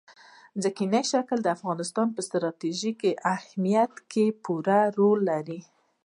ځمکنی شکل د افغانستان په ستراتیژیک اهمیت کې پوره رول لري.